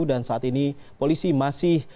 dan saat ini polisi masih